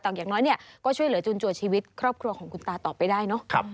แต่อย่างน้อยเนี่ยก็ช่วยเหลือจุนจัวชีวิตครอบครัวของคุณตาต่อไปได้เนอะ